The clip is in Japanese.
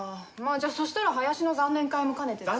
じゃあそしたら林の残念会も兼ねてって。